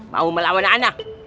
mau melawan aneh